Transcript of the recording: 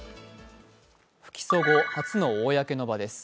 不起訴後、初の公の場です。